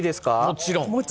もちろん。